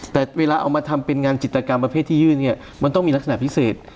แต่เวลาเอามาทำเป็นงานจิตกรรมประเภทที่ยื่นเนี่ยมันต้องมีลักษณะพิเศษ